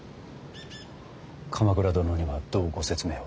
鎌倉殿にはどうご説明を。